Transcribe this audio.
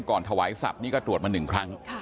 ก่อนถวายศัพท์นี่ก็ตรวจมาหนึ่งครั้ง